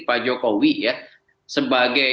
pak jokowi ya sebagai